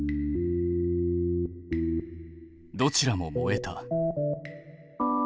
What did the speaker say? どちらも燃えた。